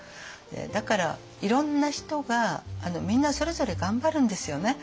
だからいろんな人がみんなそれぞれ頑張るんですよね。